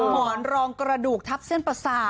หมอนรองกระดูกทับเส้นประสาท